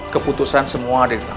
keputusan semua ada di depan